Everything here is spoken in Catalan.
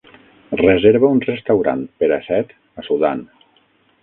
reserva un restaurant per a set a Sudan